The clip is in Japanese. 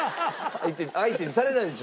相手にされないでしょ